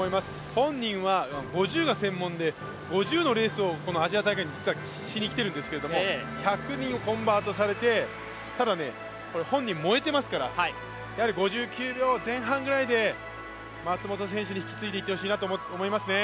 本人は５０が専門で、５０のレースを実はアジア大会にしにきているんですけれども、１００にコンバートされて、ただ本人、燃えてますから５９秒前半ぐらいで松元選手に引き継いでいってもらいたいなと思いますね。